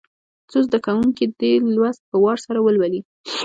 څو زده کوونکي دي لوست په وار سره ولولي.